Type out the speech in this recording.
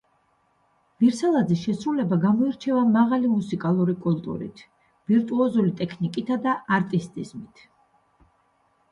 ვირსალაძის შესრულება გამოირჩევა მაღალი მუსიკალური კულტურით, ვირტუოზული ტექნიკითა და არტისტიზმით.